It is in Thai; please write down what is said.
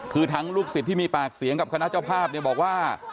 คือทั้งลูกศิษย์ที่มีปากเสียงกับคณะเจ้าภาพเนี่ยบอกว่า